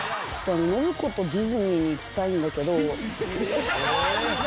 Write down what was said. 信子とディズニーに行きたいんだけど。